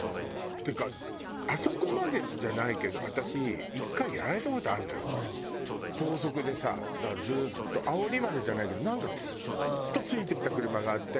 っていうかあそこまでじゃないけど私高速でさだからずっとあおりまでじゃないけどなんかずーっと付いてきた車があって。